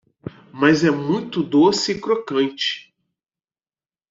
Mas é muito doce e crocante!